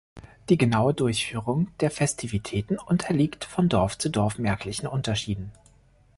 Die genaue Durchführung der Festivitäten unterliegt von Dorf zu Dorf merklichen Unterschieden.